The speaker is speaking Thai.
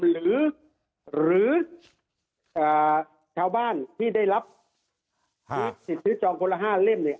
หรือชาวบ้านที่ได้รับสิทธิจองคนละ๕เล่ม